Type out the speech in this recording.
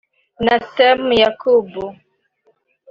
Nassam Yakubu